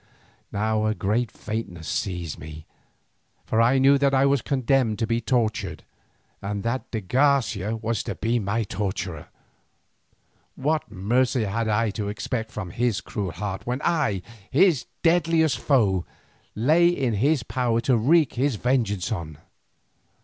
Now a great faintness seized me, for I knew that I was condemned to be tortured, and that de Garcia was to be the torturer. What mercy had I to expect from his cruel heart when I, his deadliest foe, lay in his power to wreak his vengeance on?